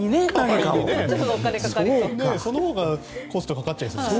そのほうがコストがかかっちゃいそうですね。